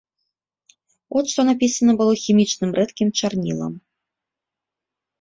От што напісана было хімічным рэдкім чарнілам.